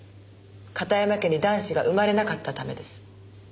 片山家に男子が生まれなかったためです。